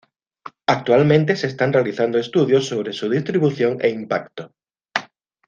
Actualmente se estan realizando estudios sobre su distribución e impacto.